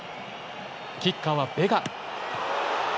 キッカーはベガ。